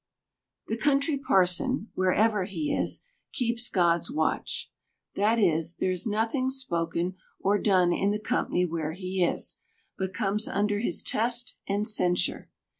The Country Parson, wherever he is, keeps God's watch ; that is, there is nothing spoken or done in the company where he is, but comes under his test and censure.